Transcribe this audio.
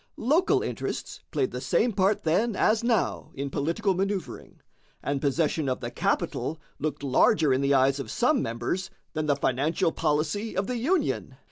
Local interests played the same part then as now in political man[oe]uvring, and possession of the capital looked larger in the eyes of some members than the financial policy of the Union.